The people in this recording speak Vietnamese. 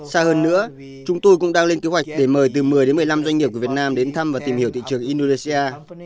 xa hơn nữa chúng tôi cũng đang lên kế hoạch để mời từ một mươi đến một mươi năm doanh nghiệp của việt nam đến thăm và tìm hiểu thị trường indonesia